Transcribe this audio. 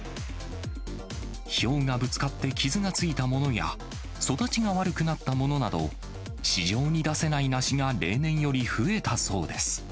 ひょうがぶつかって傷がついたものや、育ちが悪くなったものなど、市場に出せない梨が例年より増えたそうです。